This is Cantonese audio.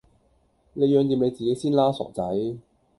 你養掂你自己先啦，傻仔